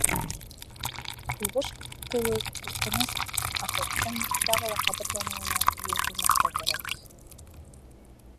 Һуғыш кеүек ҡурҡыныс афәттең тағы ла ҡабатланыуына юл ҡуймаҫҡа кәрәк.